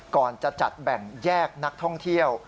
ก่อนจะจัดแบ่งแยกนักท่องเที่ยว